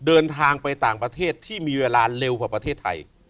เดินทางไปต่างประเทศที่มีเวลาเร็วกว่าประเทศไทย